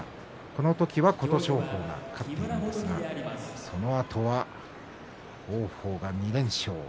この時は琴勝峰が勝っているんですがそのあとは王鵬が２連勝。